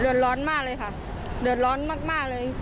ร้อนมากเลยค่ะเดือดร้อนมากเลย